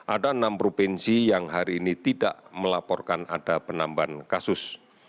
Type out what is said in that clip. ada enam provinsi yang hari ini tidak melaporkan ada penambahan kasus